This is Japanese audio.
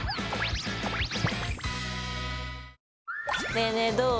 ねえねえどう？